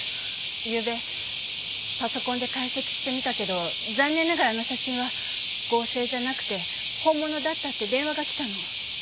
ゆうべパソコンで解析してみたけど残念ながらあの写真は合成じゃなくて本物だったって電話がきたの。